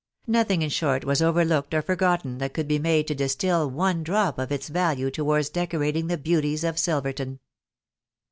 Nothing, in short, was overlooked or for gotten that could be made to distil one drop of its value towards decorating the beauties of Sflverton.